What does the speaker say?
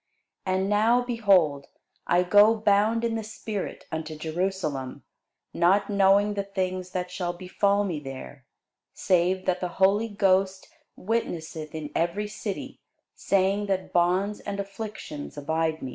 And now, behold, I go bound in the spirit unto Jerusalem, not knowing the things that shall befall me there: save that the Holy Ghost witnesseth in every city, saying that bonds and afflictions abide me.